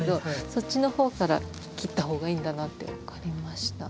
そっちの方から切った方がいいんだなって分かりました。